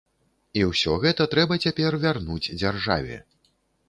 І ўсё гэта трэба цяпер вярнуць дзяржаве.